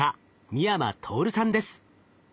美山透さんです。